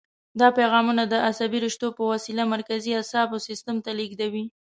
دا پیغامونه د عصبي رشتو په وسیله مرکزي اعصابو سیستم ته لېږدوي.